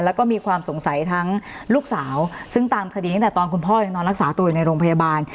แล้วก็มีความสงสัยทั้งลูกสาวซึ่งตามคดีตั้งแต่ตอนคุณพ่อยังนอนรักษาตัวอยู่ในโรงพยาบาล